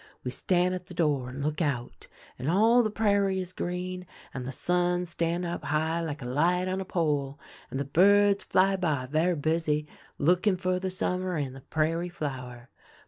We stan' at the door and look out, and all the prairie is green, and the sun stan' up high like a light on a pole, and the birds fly by ver' busy looking for the summer and the prairie flower.